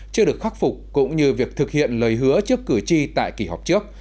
chưa được khắc phục cũng như việc thực hiện lời hứa trước cử tri tại kỳ họp trước